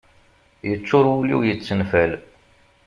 Yeččur wul-iw, yettenfal